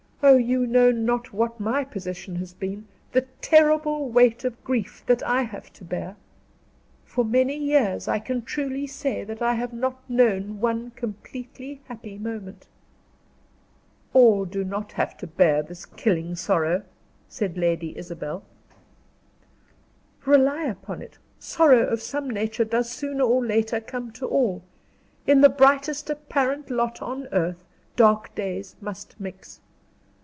Oh, you know not what my position has been the terrible weight of grief that I have to bear. For many years, I can truly say that I have not known one completely happy moment." "All do not have to bear this killing sorrow," said Lady Isabel. "Rely upon it, sorrow of some nature does sooner or later come to all. In the brightest apparent lot on earth, dark days must mix.